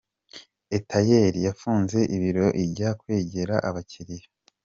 eyateli yafunze ibiro ijya kwegera abakiliya